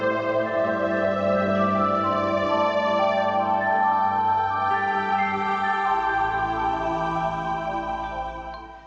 สวัสดีครับ